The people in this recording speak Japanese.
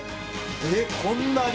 えっこんなに？